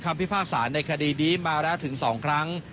พิพากษาในคดีนี้มาแล้วถึง๒ครั้ง